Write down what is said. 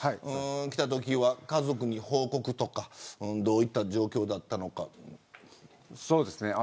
きたときは家族に報告とかどういった状況だったのか。